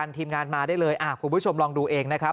ทีมงานมาได้เลยคุณผู้ชมลองดูเองนะครับ